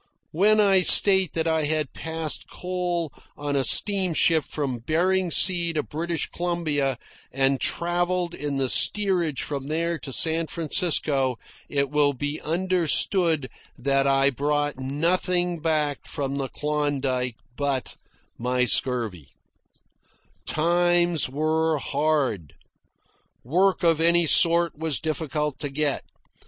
When I state that I had passed coal on a steamship from Behring Sea to British Columbia, and travelled in the steerage from there to San Francisco, it will be understood that I brought nothing back from the Klondike but my scurvy. Times were hard. Work of any sort was difficult to get.